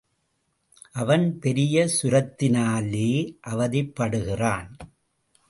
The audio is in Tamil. அவன் பெரிய சுரத்தினாலே அவதிப்படுகிறான்.